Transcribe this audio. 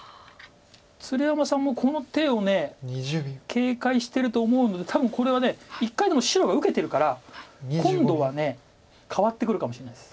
鶴山さんもこの手を警戒してると思うので多分これは１回でも白が受けてるから今度はかわってくるかもしれないです。